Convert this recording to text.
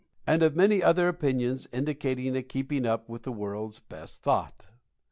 And of many other opinions indicating a keeping up with the world's best thought.